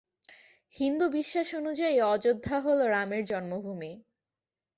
হিন্দু বিশ্বাস অনুযায়ী অযোধ্যা হল রামের জন্মভূমি।